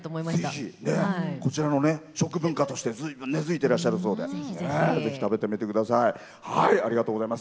ぜひ、こちらの食文化としてずいぶん根づいてらっしゃるそうでぜひ食べてみてください。